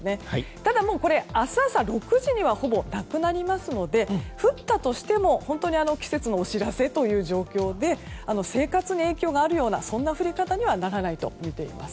ただ、明日朝６時にはほぼなくなりますので降ったとしても本当に季節のお知らせという状況で生活に影響があるような降り方にはならないとみています。